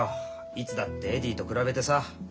いつだってエディと比べてさ。